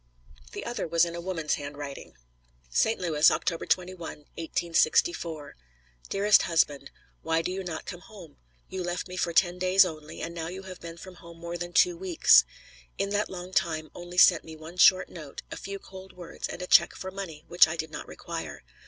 The other was in a woman's handwriting: ST. LOUIS, October 21, 1864. DEAREST HUSBAND: Why do you not come home? You left me for ten days only, and you now have been from home more than two weeks. In that long time only sent me one short note a few cold words and a check for money, which I did not require.